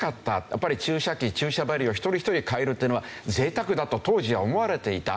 やっぱり注射器注射針を一人一人替えるっていうのは贅沢だと当時は思われていた。